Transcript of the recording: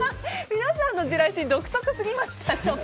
皆さんの地雷シーン独特すぎました。